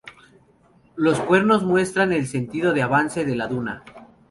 Los cuernos muestran el sentido de avance de la duna.